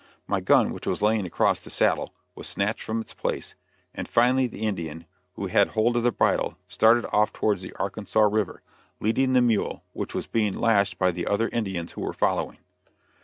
My gun, which was lying across the saddle, was snatched from its place, and finally the Indian, who had hold of the bridle, started off towards the Arkansas River, leading the mule, which was being lashed by the other Indians who were following.